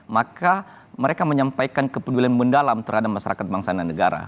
maka mereka menyampaikan kepedulian mendalam terhadap masyarakat bangsa dan negara